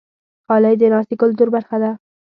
غالۍ د ناستې کلتور برخه ده.